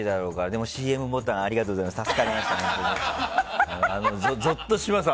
でも、ＣＭボタンありがとうございます。